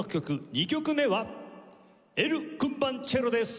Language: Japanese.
２曲目は『エル・クンバンチェロ』です！